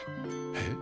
えっ？